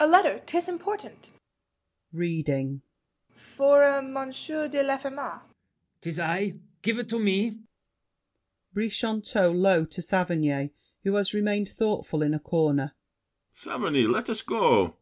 A letter! 'Tis important! [Reading.] For a Monsieur de Laffemas. LAFFEMAS. 'Tis I! Give it to me! BRICHANTEAU (low to Saverny, who has remained thoughtful in a corner). Saverny, let us go!